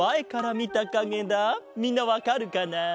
みんなわかるかな？